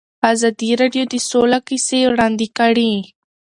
ازادي راډیو د سوله کیسې وړاندې کړي.